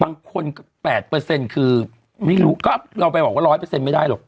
บางคน๘เปอร์เซ็นต์คือไม่รู้ก็เราไปบอกว่า๑๐๐เปอร์เซ็นต์ไม่ได้หรอก